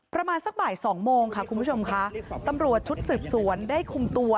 ประมาณสักบ่ายสองโมงค่ะคุณผู้ชมค่ะตำรวจชุดสืบสวนได้คุมตัว